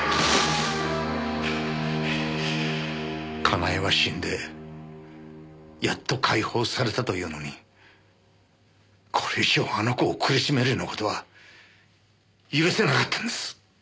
佳苗は死んでやっと解放されたというのにこれ以上あの子を苦しめるような事は許せなかったんです。